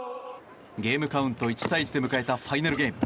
ゲームカウント１対１で迎えたファイナルゲーム。